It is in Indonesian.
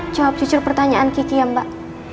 jawab jujur pertanyaan kiki ya mbak